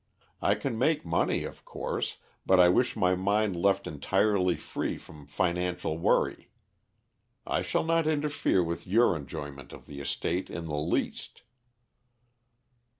I can make money, of course, but I wish my mind left entirely free from financial worry. I shall not interfere with your enjoyment of the estate in the least."